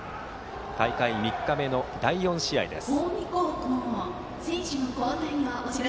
大会３日目の第４試合です。